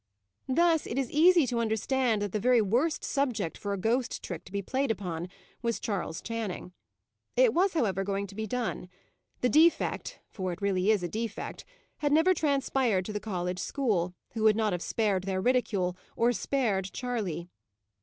Thus, it is easy to understand that the very worst subject for a ghost trick to be played upon, was Charley Channing. It was, however, going to be done. The defect for it really is a defect had never transpired to the College school, who would not have spared their ridicule, or spared Charley.